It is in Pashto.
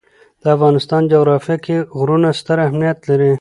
د افغانستان جغرافیه کې غرونه ستر اهمیت لري.